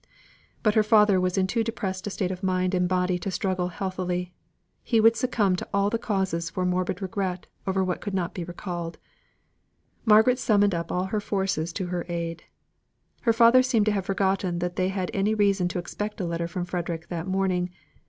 But her father was in too depressed a state of mind and body to struggle healthily; he would succumb to all these causes for morbid regret over what could not be recalled. Margaret summoned up all her forces to her aid. Her father seemed to have forgotten that they had any reason to expect a letter from Frederick that morning.